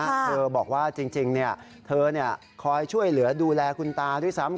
เธอบอกว่าจริงเธอคอยช่วยเหลือดูแลคุณตาด้วยซ้ำ